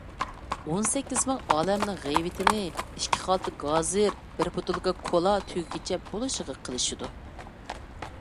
ئون سەككىز مىڭ ئالەمنىڭ غەيۋىتىنى ئىككى خالتا گازىر، بىر بوتۇلكا كولا تۈگىگىچە بولىشىغا قىلىشىدۇ.